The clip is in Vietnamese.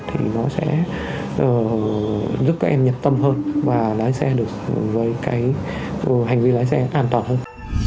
thì nó sẽ giúp các em nhiệt tâm hơn và lái xe được với cái hành vi lái xe an toàn hơn